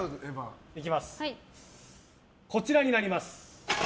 こちらになります。